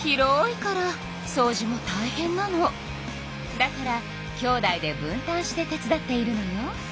だからきょうだいで分たんして手伝っているのよ。